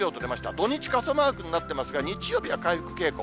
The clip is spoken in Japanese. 土日、傘マークになってますが、日曜日は回復傾向。